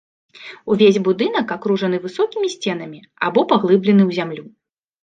Увесь будынак акружаны высокімі сценамі або паглыблены ў зямлю.